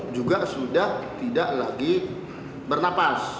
juga sudah tidak lagi bernapas